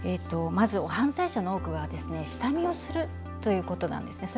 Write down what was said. まず、犯罪者の多くは下見をするということなんです。